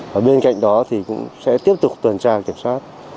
và bên cạnh đó thì cũng sẽ tiếp tục tuần tra kiểm soát